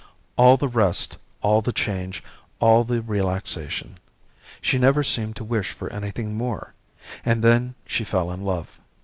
All the rest, all the change, all the relaxation. She never seemed to wish for anything more. And then she fell in love.